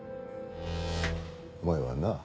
お前はな